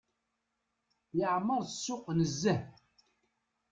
Yeɛmer ssuq nezzeh.